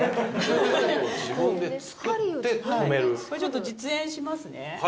これちょっと実演しますね。